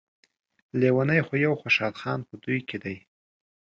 لیونی خو يو خوشحال خان په دوی کې دی.